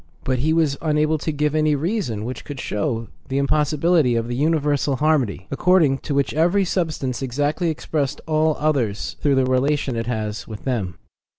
But he was unable to give any reason which could show the impossibility of this universal harmony, according to which eveiy substance exactly expresses all others through the relations it has with them.